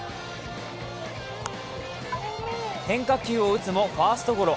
変化球を打つもファーストゴロ。